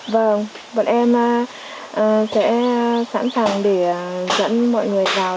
vâng bọn em sẽ sẵn sàng để dẫn mọi người vào